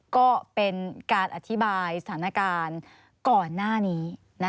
ก็เป็นการอธิบายสถานการณ์ก่อนหน้านี้